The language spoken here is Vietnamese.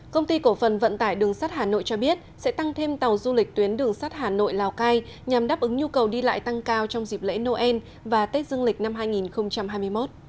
công ty cổ phần vận tải đường sắt hà nội cho biết sẽ tăng thêm tàu du lịch tuyến đường sắt hà nội lào cai nhằm đáp ứng nhu cầu đi lại tăng cao trong dịp lễ noel và tết dương lịch năm hai nghìn hai mươi một